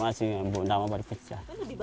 masih yang benda yang lebih bagus ya